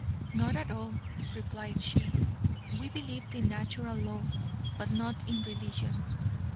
"Not at all," replied she. "We believed in Natural Law but not in religion.